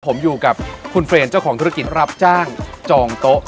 ผมอยู่กับคุณเฟรนเจ้าของธุรกิจรับจ้างจองโต๊ะ